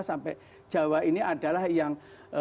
sampai jawa ini adalah yang